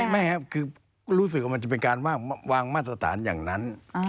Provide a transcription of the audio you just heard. ไม่ครับคือก็รู้สึกว่ามันจะเป็นการวางมาตรฐานอย่างนั้น